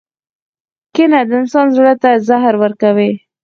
• کینه د انسان زړۀ ته زهر ورکوي.